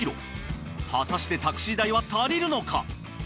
果たしてタクシー代は足りるのか？